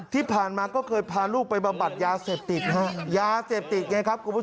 ที่ผ่านมาก็เคยพาลูกไปบำบัดยาเสพติดฮะยาเสพติดไงครับคุณผู้ชม